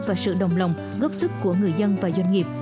và sự đồng lòng góp sức của người dân và doanh nghiệp